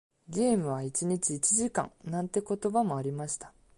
ゲームは一日一時間なんて言葉もありました。